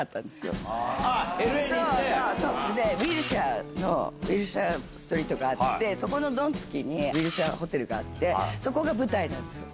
ウィルシャーのウィルシャーストリートがあってどん突きにウィルシャーホテルがあってそこが舞台なんですよ。